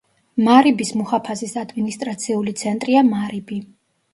მარიბის მუჰაფაზის ადმინისტრაციული ცენტრია მარიბი.